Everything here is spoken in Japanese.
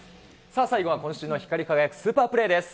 さあ、最後は今週の光り輝くスーパープレーです。